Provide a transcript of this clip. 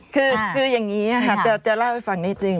คืออย่างนี้ค่ะจะเล่าให้ฟังนิดนึง